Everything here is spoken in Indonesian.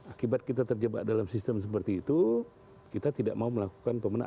akibat kita terjebak dalam sistem seperti itu kita tidak mau melakukan pemenangan